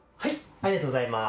ありがとうございます。